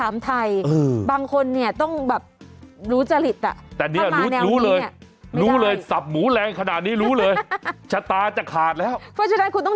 มีเรื่อง